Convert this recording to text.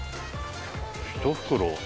１袋